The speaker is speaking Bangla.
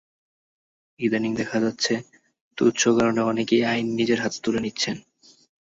ইদানীং দেখা যাচ্ছে, তুচ্ছ কারণে অনেকেই আইন নিজের হাতে তুলে নিচ্ছেন।